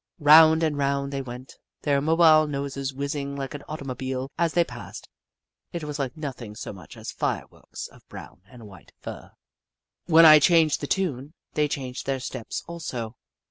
Round and round they went, their mobile noses whizzing like an automobile as they passed. It was like nothing so much as fire works of brown and white fur. When I changed the tune, they changed their steps also.